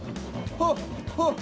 はっはっ